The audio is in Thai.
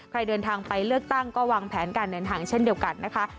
ใครเดินทางไปเลือกตั้งก็วางแผนการเดินทางเช่นเดียวกันนะคะ